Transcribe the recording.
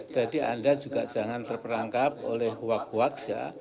jadi anda juga jangan terperangkap oleh huwak huwaks ya